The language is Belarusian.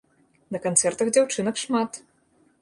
На канцэртах дзяўчынак шмат!